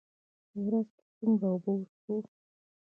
په ورځ کې څومره اوبه وڅښو؟